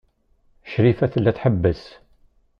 Crifa tella tḥebbes.